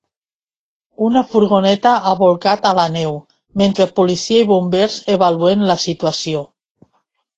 Una furgoneta ha bolcat a la neu mentre policia i bombers avaluen la situació.